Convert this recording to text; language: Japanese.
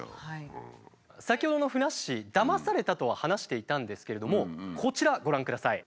先ほどのふなっしーだまされたとは話していたんですけれどもこちらご覧ください。